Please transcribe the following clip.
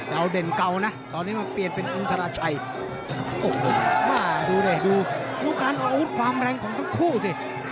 เอาเด่นเก่านะตอนนี้มาเปลี่ยนเป็นอุงค์ธราชัยดูเนี่ยดูการอาวุธความแรงของทั้งคู่สิ